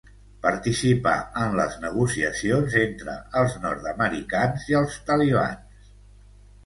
Participà en les negociacions entre els nord-americans i els Talibans.